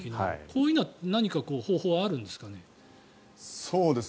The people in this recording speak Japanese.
こういうのは何か方法はあるんですかね。